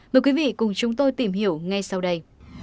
mời quý vị cùng chúng tôi tìm hiểu ngay sau đây